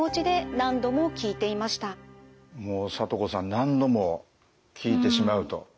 何度も聞いてしまうと。